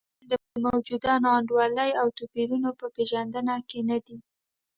دا عوامل د موجوده نا انډولۍ او توپیرونو په پېژندنه کې نه دي.